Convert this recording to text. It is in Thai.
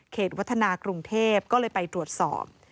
วัฒนากรุงเทพก็เลยไปตรวจสอบ